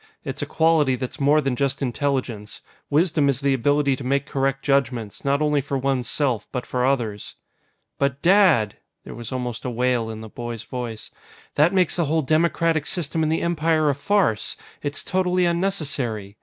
It's a quality that's more than just intelligence; wisdom is the ability to make correct judgments, not only for one's self, but for others." "But, Dad!" There was almost a wail in the boy's voice. "That makes the whole democratic system in the Empire a farce! It's totally unnecessary!